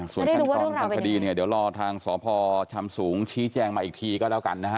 ส่วนขั้นตอนทางคดีเนี่ยเดี๋ยวรอทางสพชำสูงชี้แจงมาอีกทีก็แล้วกันนะฮะ